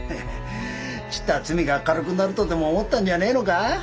ちっとは罪が軽くなるとでも思ったんじゃねえのか？